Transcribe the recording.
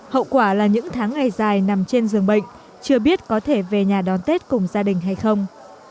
hậu quả là những tháng ngày dài nằm trên giường bệnh chưa biết có thể về nhà đón tết cùng gia đình hay không